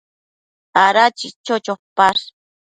Ada chicho chopash ?